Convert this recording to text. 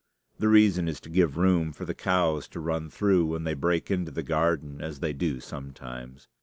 The reason is to give room for the cows to run through when they break into the garden as they do sometimes.